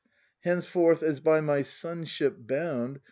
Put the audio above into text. ] Henceforth as by my sonship bound.